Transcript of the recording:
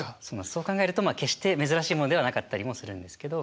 そう考えると決して珍しいものではなかったりもするんですけど。